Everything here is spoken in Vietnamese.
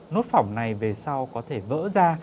nốt phỏng này về sau có thể vỡ ra